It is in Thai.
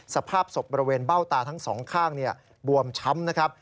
สภาพศพบริเวณเบ้าตาทั้งสองข้างบวมช้ำนะครับ